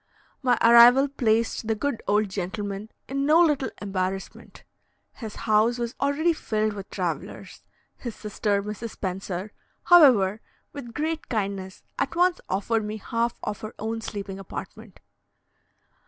My arrival placed the good old gentleman in no little embarrassment: his house was also already filled with travellers. His sister, Mrs. Spencer, however, with great kindness, at once offered me half of her own sleeping apartment.